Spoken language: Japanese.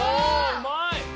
うまい！